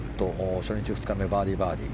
初日、２日目バーディー、バーディー。